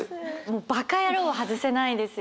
「馬鹿野郎！」は外せないですよね。